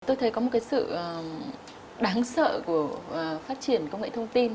tôi thấy có một cái sự đáng sợ của phát triển công nghệ thông tin